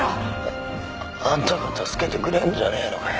あんたが助けてくれんじゃねえのかよ。